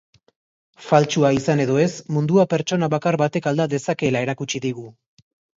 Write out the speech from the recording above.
Faltsua izan edo ez, mundua pertsona bakar batek alda dezakeela erakutsi digu.